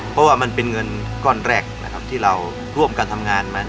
เพราะว่ามันเป็นเงินก้อนแรกที่เราร่วมกันทำงานมา